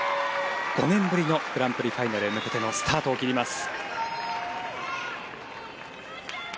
５年ぶりのグランプリファイナルへ向けてのスタートを切ります。